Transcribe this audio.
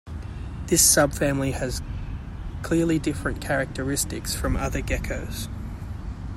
This subfamily has clearly different characteristics from other geckos.